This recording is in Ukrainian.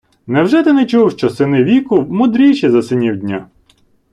Невже ти не чув, що сини віку мудріші від синів дня?